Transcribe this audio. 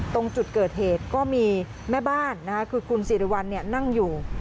ตรงจุดเกิดเหตุก็มีแม่บ้านคือคุณสิริวัลนั่งอยู่